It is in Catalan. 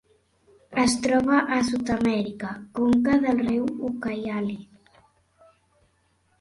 Es troba a Sud-amèrica: conca del riu Ucayali.